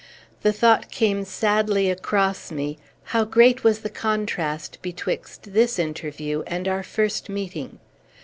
The thought came sadly across me, how great was the contrast betwixt this interview and our first meeting.